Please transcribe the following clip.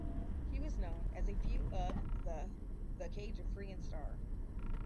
He was known as a few of the The Cage of Free and Star.